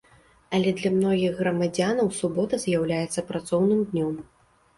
Але для многіх грамадзянаў субота з'яўляецца працоўным днём.